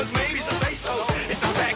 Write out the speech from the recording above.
saya jeda sejenak